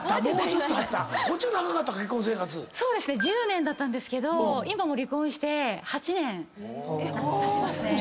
１０年だったんですけど今もう離婚して８年たちますね。